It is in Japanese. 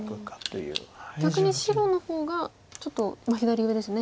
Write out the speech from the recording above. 逆に白の方がちょっと左上ですね。